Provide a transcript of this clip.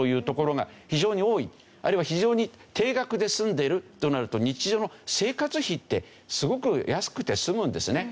あるいは非常に低額で済んでいるとなると日常の生活費ってすごく安くて済むんですよね。